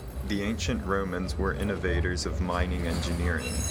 The ancient Romans were innovators of mining engineering.